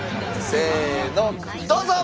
せーのどうぞ！